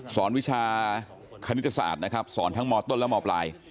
สอนวิชาคณิตศาสตร์สอนทั้งมตตและมป